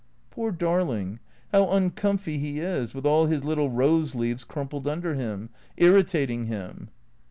"Poor darling — how uncomfy he is, with all his little rose leaves crumpled under him. Irritating him."